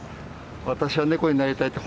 私はネコになりたいって